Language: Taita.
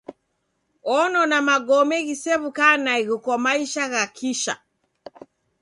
Onona magome ghisew'uka naighu kwa maisha gha kisha.